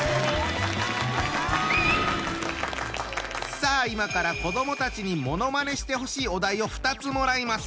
さあ今から子どもたちにものまねしてほしいお題を２つもらいます。